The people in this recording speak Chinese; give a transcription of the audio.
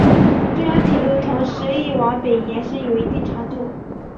中央路轨同时亦往北延伸有一定长度。